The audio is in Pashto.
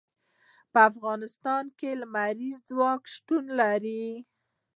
په افغانستان کې لمریز ځواک شتون لري.